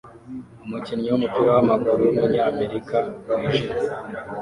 Umukinnyi wumupira wamaguru wumunyamerika wijimye